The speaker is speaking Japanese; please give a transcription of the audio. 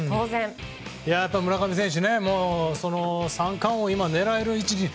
村上選手、三冠王を今狙える位置に。